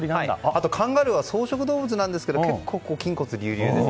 カンガルーは草食動物なんですけど結構、筋骨隆々で。